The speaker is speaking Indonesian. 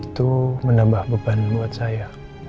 itu menambah beban buat saya